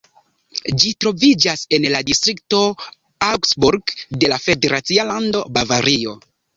Ĝi troviĝas en la distrikto Augsburg de la federacia lando Bavario.